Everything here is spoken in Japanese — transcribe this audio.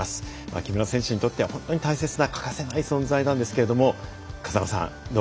木村選手にとっては本当に大切な欠かせない存在なんですが風間さん